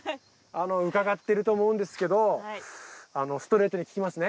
伺ってると思うんですけどストレートに聞きますね。